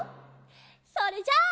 それじゃあ。